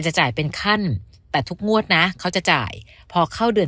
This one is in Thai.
จะจ่ายเป็นขั้นแต่ทุกงวดนะเขาจะจ่ายพอเข้าเดือน